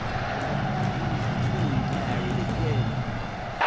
Adnah, he, too, married again!